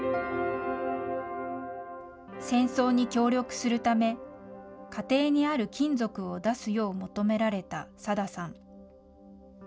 戦争に協力するため、家庭にある金属を出すよう求められたさださん。